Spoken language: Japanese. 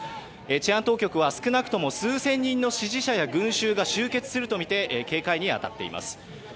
治安当局は少なくとも数千人の支持者や群衆が集結するとみて警戒に当たっています。